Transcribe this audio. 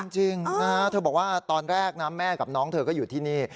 จริงนะฮะเธอบอกว่าตอนแรกนะแม่กับน้องเธอก็อยู่ที่นี่